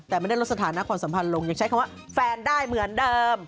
แต่ไม่ได้ลดสถานะความสัมพันธ์ลงยังใช้คำว่าแฟนได้เหมือนเดิม